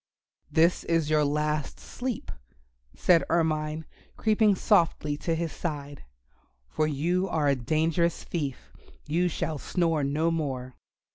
"This is your last sleep," said Ermine, creeping softly to his side, "for you are a dangerous thief; you shall snore no more."